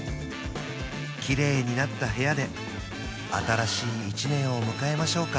キレイになった部屋で新しい一年を迎えましょうか！